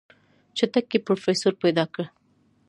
چټک پې پروفيسر پيدا که.